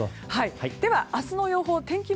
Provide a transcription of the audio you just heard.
では明日の予報を天気